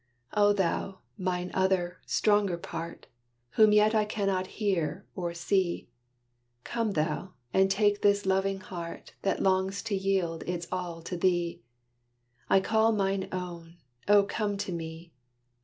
O thou, mine other, stronger part! Whom yet I cannot hear, or see, Come thou, and take this loving heart, That longs to yield its all to thee, I call mine own Oh, come to me!